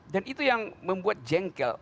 dan itu yang membuat jengkel